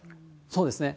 そうですね。